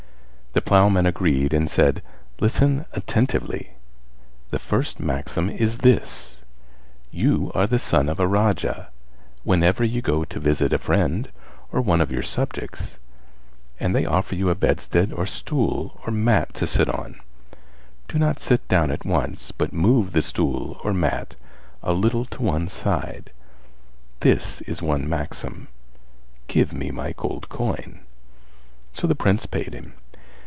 The ploughman agreed and said. "Listen attentively! My first maxim is this: You are the son of a Raja; whenever you go to visit a friend or one of your subjects and they offer you a bedstead, or stool, or mat to sit on, do not sit down at once but move the stool or mat a little to one side; this is one maxim: give me my gold coin." So the Prince paid him.